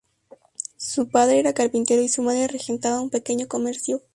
Su padre era carpintero y su madre regentaba un pequeño comercio.